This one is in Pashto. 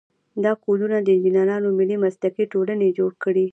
دا کودونه د انجینرانو ملي مسلکي ټولنې جوړ کړي.